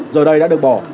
giờ đây đã được bỏ